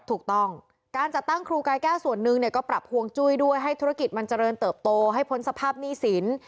ถูกต้องการจัดตั้งครูกายแก้วส่วนหนึ่งเนี่ยก็ปรับฮวงจุ้ยด้วยให้ธุรกิจมันเจริญเติบโตให้พ้นสภาพหนี้สิน